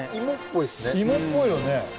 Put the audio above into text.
芋っぽいよね。